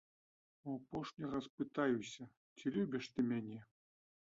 У апошні раз пытаюся, ці любіш ты мяне?